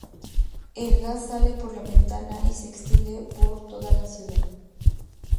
El gas sale por la ventana y se extiende por toda la ciudad.